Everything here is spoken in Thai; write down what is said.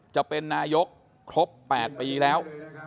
จะเป็นนายกครบ๘ปีแล้ว